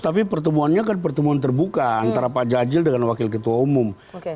tapi pertemuannya kan pertemuan terbuka antara pak jajil dengan wakil ketua umum